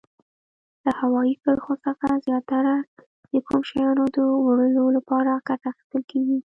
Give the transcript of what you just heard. له هوایي کرښو څخه زیاتره د کوم شیانو د وړلو لپاره ګټه اخیستل کیږي؟